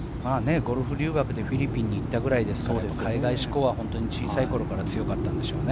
ゴルフ留学でフィリピンに行ったくらいですから海外志向は本当に小さい頃から強かったんでしょうね。